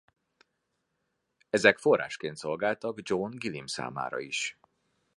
Ezek forrásként szolgáltak John Guillim számára is.